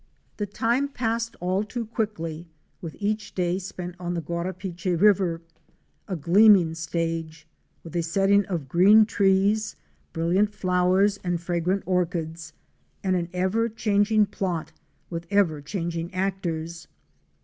The time passed all too quickly with each day spent on the Guarapiche river — a gleaming stage, with a setting of green trees, brilliant flowers and fragrant orchids, and an ever changing plot with ever changing actors.